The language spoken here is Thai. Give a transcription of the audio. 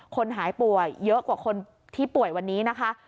คนหายป่วยเยอะกว่าคนที่ป่วยวันนี้นะคะ